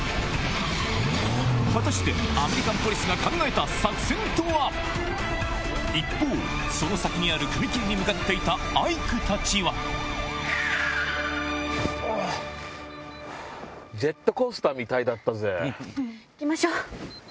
果たしてアメリカンポリスが考えた一方その先にある踏切に向かっていたアイクたちは行きましょう！